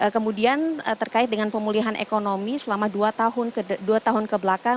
kemudian terkait dengan pemulihan ekonomi selama dua tahun kebelakang